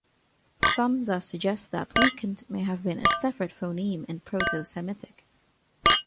Some thus suggest that weakened may have been a separate phoneme in Proto-Semitic.